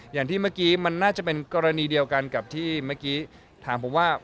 อย่างที่เมื่อกี้มันน่าจะเป็นกรณีเดียวกันกับที่เมื่อกี้ถามผมว่า